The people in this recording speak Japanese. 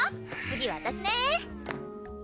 次私ねー！